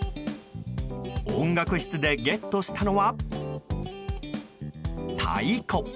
音楽室でゲットしたのは、太鼓。